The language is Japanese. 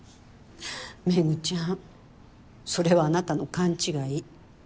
めぐちゃんそれはあなたの勘違い。